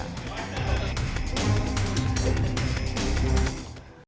bagaimana menurut anda